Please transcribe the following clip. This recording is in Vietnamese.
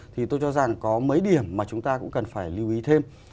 thì tôi cho rằng có mấy điểm mà chúng ta cũng cần phải lưu ý thêm